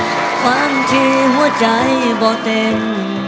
เริ่มมาการบ่ดีความที่หัวใจบ่เต็ม